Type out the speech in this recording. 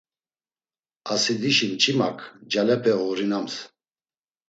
Asidişi mç̌imak ncalepe oğurinams.